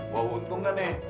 mau untung kan ne